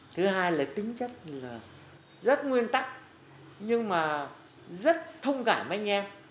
thứ hai là tính chất là rất nguyên tắc nhưng mà rất thông cảm anh em